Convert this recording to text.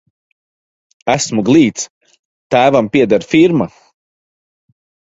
Esmu glīts, tēvam pieder firma.